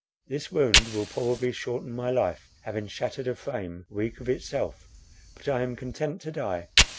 "This wound will probably shorten my life, having shattered a frame, weak of itself. But I am content to die.